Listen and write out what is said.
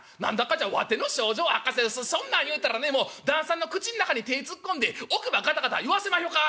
じゃあわての症状悪化してるそんなん言うたらねもう旦さんの口ん中に手ぇ突っ込んで奥歯カタカタ言わせまひょかぁ」。